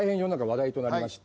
話題となりまして。